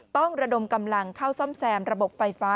ต้องระดมกำลังเข้าซ่อมแซมระบบไฟฟ้า